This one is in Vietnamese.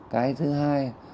cái thứ hai